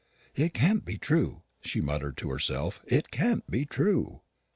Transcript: "It can't be true," she muttered to herself; "it can't be true."